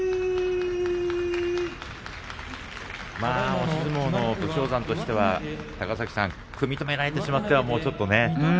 押し相撲の武将山としては組み止められてしまってはちょっとね。